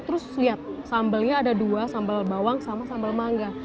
terus lihat sambalnya ada dua sambal bawang sama sambal mangga